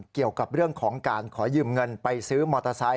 เกี่ยวกับเรื่องของการขอยืมเงินไปซื้อมอเตอร์ไซค